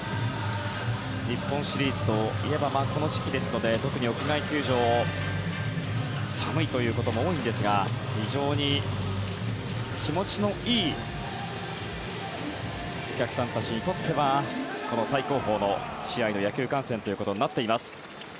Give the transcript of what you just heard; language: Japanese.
日本シリーズといえばこの時期ですので特に屋外球場寒いということも多いんですが非常に気持ちのいいお客さんたちにとってはこの最高峰の試合の野球観戦ということになっています。